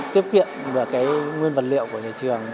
tiếp kiện nguyên vật liệu của nhà trường